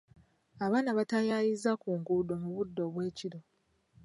Abaana batayaayiza ku nguudo mu budde obw’ekiro.